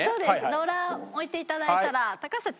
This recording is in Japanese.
ローラー置いていただいたら高橋さん